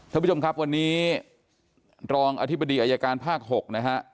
ท่านผู้ชมครับวันนี้รองอธิบดีอายการภาค๖นะฮะ